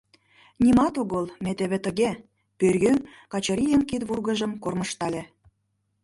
— Нимат огыл, ме теве тыге, — пӧръеҥ Качырийын кидвургыжым кормыжтале.